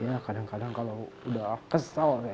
ya kadang kadang kalau udah kesal ya gimana aduh